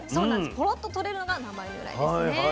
ポロッと取れるのが名前の由来ですね。